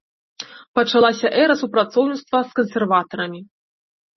Пачалася эра супрацоўніцтва з кансерватарамі.